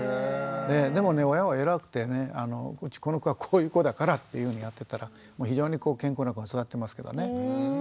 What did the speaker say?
でもね親は偉くてねこの子はこういう子だからっていうふうにやってたら非常に健康な子に育ってますけどね。